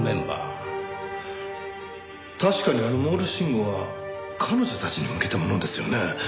確かにあのモールス信号は彼女たちに向けたものですよね。